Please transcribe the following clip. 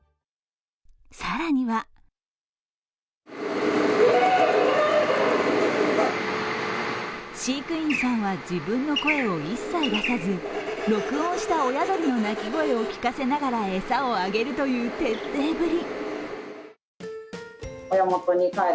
更には飼育員さんは自分の声を一切出さず録音した親鳥の鳴き声を聞かせながら餌をあげるという徹底ぶり。